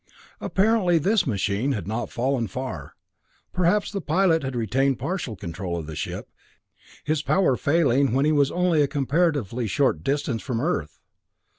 Apparently this machine had not fallen far; perhaps the pilot had retained partial control of the ship, his power failing when he was only a comparatively short distance from Earth.